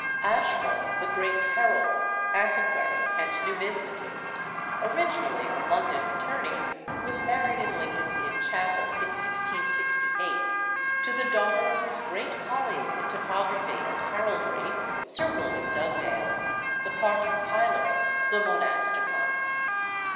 Ashmole, the great herald, antiquary, and numismatist, originally a London attorney, was married in Lincoln's Inn Chapel, in 1668, to the daughter of his great colleague in topography and heraldry, Sir William Dugdale, the part compiler of the Monasticon.